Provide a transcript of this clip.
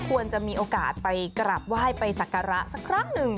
ควรจะมีโอกาสไปกราบไหว้ไปสักการะสักครั้งหนึ่ง